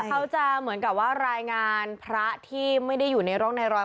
เขาจะเหมือนกับว่ารายงานพระที่ไม่ได้อยู่ในร่องในรอย